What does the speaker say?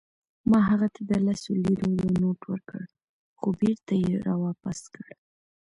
ما هغه ته د لسو لیرو یو نوټ ورکړ، خو بیرته يې راواپس کړ.